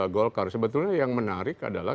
golkar sebetulnya yang menarik adalah